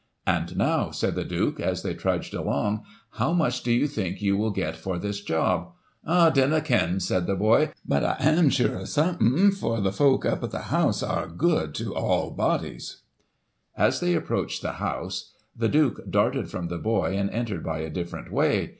' And now,' said the Duke, as they trudged along, ' how much do you think you will get for this job }'' Oh, dinna ken,' said the boy, ' but I am sure o* something, for the folk up at Digitized by Google 312 GOSSIP. [1847 the house are good to a' bodies/ As they approached the house, the Duke darted from the boy, and entered by a different way.